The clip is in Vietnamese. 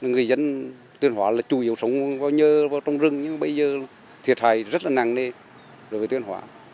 người dân tuyên hóa là chủ yếu sống vào nhơ vào trong rừng nhưng bây giờ thiệt hại rất là nặng đấy đối với tuyên hóa